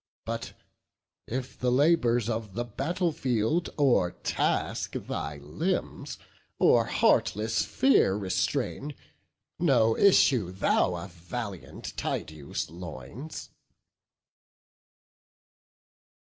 But, if the labours of the battle field O'ertask thy limbs, or heartless fear restrain, No issue thou of valiant Tydeus' loins."